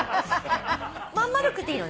まん丸くていいのね？